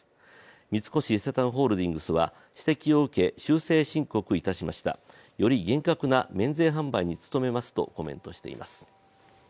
三越伊勢丹ホールディングスは指摘を受け修正申告いたしました、より厳格な免税販売に努めますとコメントしています。